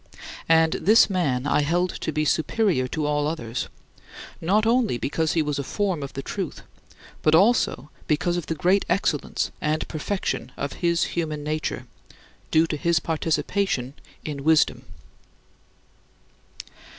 And this man I held to be superior to all others, not only because he was a form of the Truth, but also because of the great excellence and perfection of his human nature, due to his participation in wisdom.